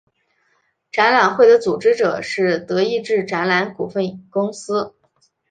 展览会的组织者是德意志展览股份公司。